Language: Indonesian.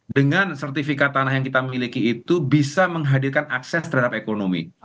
dengan sertifikat tanah yang kita miliki itu bisa menghadirkan akses terhadap ekonomi